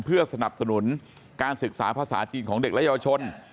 เพื่อสนับสนุนการศึกษาภาษาจีนของเด็กและเยาวชน